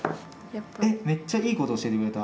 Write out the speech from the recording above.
めっちゃいいこと教えてくれた。